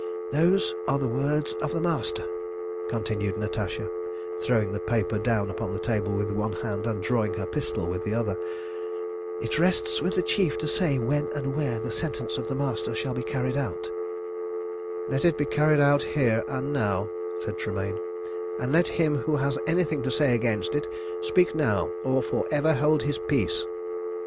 "Those are the words of the Master," continued Natasha, throwing the paper down upon the table with one hand, and drawing her pistol with the other. "It rests with the Chief to say when and where the sentence of the Master shall be carried out." [Illustration: "He dropped back into his chair with a bullet in his brain." See page 275.] "Let it be carried out here, and now," said Tremayne, "and let him who has anything to say against it speak now, or for ever hold his peace."